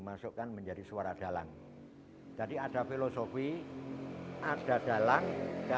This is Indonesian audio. tapi sudah selesaiwould you like it di mana diri semua jelarnya